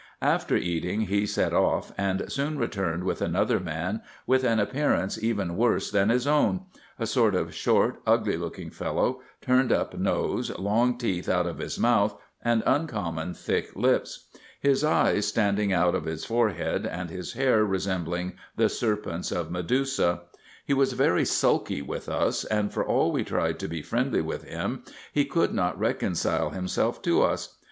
After eating he set off, and soon returned with another man, with an appearance even worse than his own : a sort of short ugly looking fellow, turned up nose, long teeth out of his mouth, and uncommon thick lips ; his eyes standing out of his forehead, and his hair resembling the serpents of Medusa. He was very sulky with us; and for all we tried to be friendly with him, he could not reconcile himself to us.